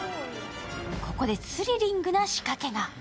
ここでスリリングな仕掛けが。